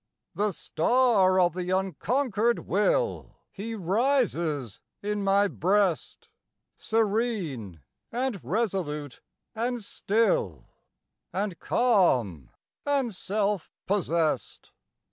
The star of the unconquered will, He rises in my breast, Serene, and resolute, and still, And calm, and self possessed.